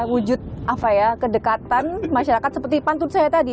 wujud kedekatan masyarakat seperti pantut saya tadi